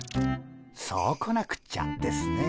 そうこなくっちゃですね。